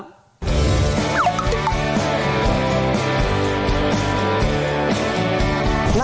ไปกันเลยครับ